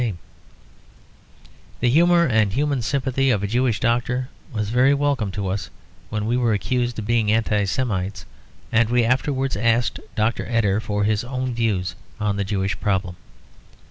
The humour and human sympathy of a Jewish doctor was very welcome to us when we were accused of being Anti Semites, and we afterwards asked Dr. Eder for his own views on the Jewish problem.